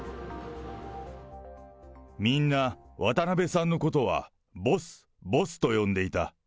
みんな、渡辺さんのことはボス、ボスと呼んでいた。